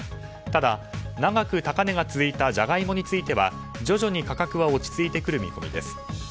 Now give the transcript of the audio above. ただ、長く高値が続いたジャガイモについては徐々に価格は落ち着いてくる見込みです。